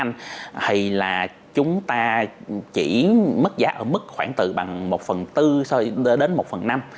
thì chúng ta chỉ mất giá ở mức khoảng từ bằng một phần bốn năm